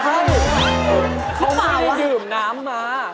เขาก็ไม่ได้ดื่มน้ำมาคุณผู้แล้วคุณพลาดมาก